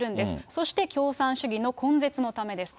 そして共産主義の根絶のためです